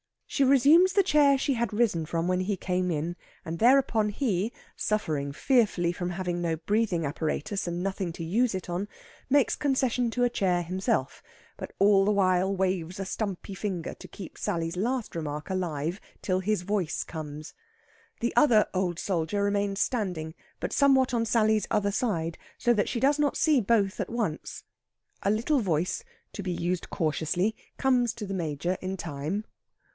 She resumes the chair she had risen from when he came in, and thereupon he, suffering fearfully from having no breathing apparatus and nothing to use it on, makes concession to a chair himself, but all the while waves a stumpy finger to keep Sally's last remark alive till his voice comes. The other old soldier remains standing, but somewhat on Sally's other side, so that she does not see both at once. A little voice, to be used cautiously, comes to the Major in time.